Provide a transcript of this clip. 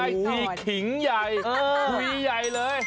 ได้ดีขิงใหญ่ครุยใหญ่เลย